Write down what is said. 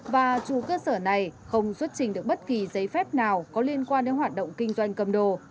và chủ cơ sở này không xuất trình được bất kỳ giấy phép nào có liên quan đến hoạt động kinh doanh cầm đồ